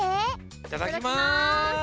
いただきます！